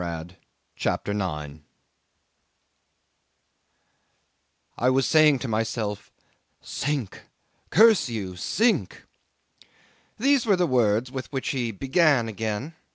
CHAPTER 9 '"I was saying to myself, 'Sink curse you! Sink!'" These were the words with which he began again.